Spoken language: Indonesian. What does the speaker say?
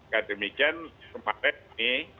ya demikian kemarin ini